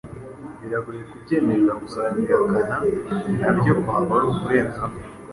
biragoye kubyemeza gusa kubihakana nabyo kwaba ari ukurenzaho